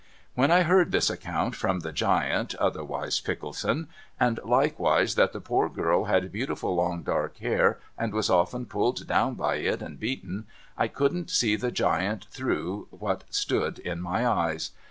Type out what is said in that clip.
When I heard this account from the giant, otherwise Pickleson, and likewise that the poor girl had beautiful long dark hair, and was often pulled down by it and beaten, I couldn't see the giant through what stood in my eyes.